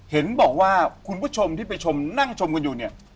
เห็นบอกว่าคุณผู้ชมที่ไปชมนั่งชมกันอยู่เนี่ย